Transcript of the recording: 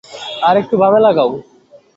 আরেকটু বামে লাগাও!